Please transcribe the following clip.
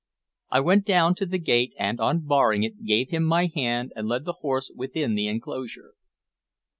I went down to the gate, and, unbarring it, gave him my hand and led the horse within the inclosure.